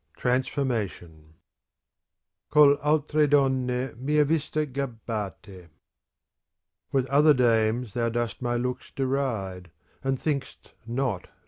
\x TRANSFORMATION CalP altre donne m'ta wsta gabbate With other dames thou dost my looks deride, And think'st not.